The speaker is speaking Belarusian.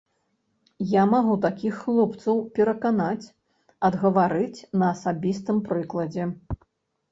Я магу такіх хлопцаў пераканаць, адгаварыць на асабістым прыкладзе.